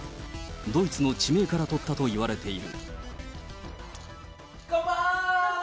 ドイツの地名から取ったといわれている。